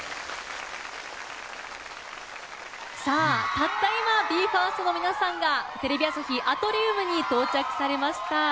たった今ＢＥ：ＦＩＲＳＴの皆さんがテレビ朝日アトリウムに到着されました。